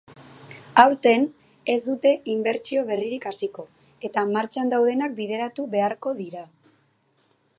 Aurten ez dute inbertsio berririk hasiko eta martxan daudenak bideratu beharko dira.